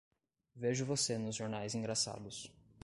Vejo você nos jornais engraçados.